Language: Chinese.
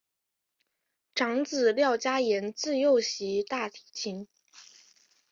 长子廖嘉言自幼习大提琴。